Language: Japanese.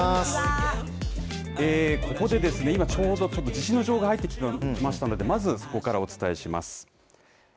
ここで今ちょうど地震の情報が入ってきましたのでまず、そこからお伝えします。